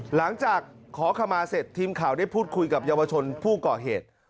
หลังจากขอขมาเสร็จทีมข่าวได้พูดคุยกับเยาวชนผู้ก่อเหตุ